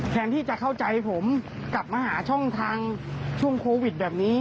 แทนที่จะเข้าใจผมกลับมาหาช่องทางช่วงโควิดแบบนี้